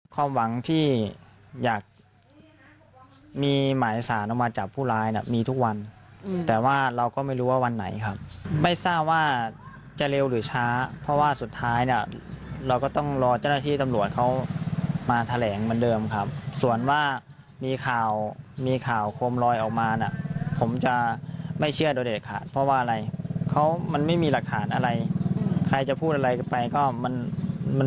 ความหวังที่อยากมีหมายสารออกมาจับผู้ร้ายเนี่ยมีทุกวันแต่ว่าเราก็ไม่รู้ว่าวันไหนครับไม่ทราบว่าจะเร็วหรือช้าเพราะว่าสุดท้ายเนี่ยเราก็ต้องรอเจ้าหน้าที่ตำรวจเขามาแถลงเหมือนเดิมครับส่วนว่ามีข่าวมีข่าวโคมลอยออกมาน่ะผมจะไม่เชื่อโดยเด็ดขาดเพราะว่าอะไรเขามันไม่มีหลักฐานอะไรใครจะพูดอะไรไปก็มันมัน